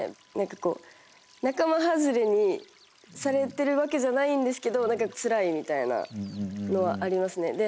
なんかこう仲間外れにされてるわけじゃないんですけどなんかつらいみたいなのはありますね。